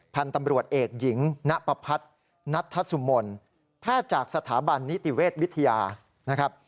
พันธุ์ตำรวจเอกหญิงณปพัฒน์นัทธสุมนแพทย์จากสถาบันนิติเวชวิทยานะครับ